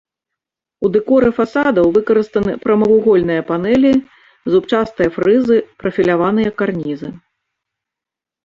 У дэкоры фасадаў выкарыстаны прамавугольныя панэлі, зубчастыя фрызы, прафіляваныя карнізы.